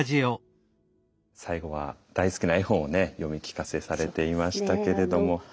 最後は大好きな絵本をね読み聞かせされていましたけれども。